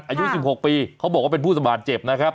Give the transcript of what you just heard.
อายุ๑๖ปีเขาบอกว่าเป็นผู้บาดเจ็บนะครับ